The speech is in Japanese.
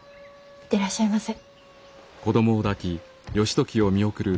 行ってらっしゃいませ。